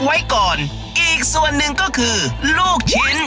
ไว้ก่อนอีกส่วนหนึ่งก็คือลูกชิ้น